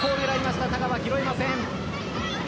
ただ、拾えません。